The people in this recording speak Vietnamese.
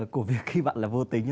của việc khi bạn là vô tính